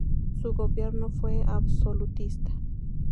Su gobierno fue absolutista.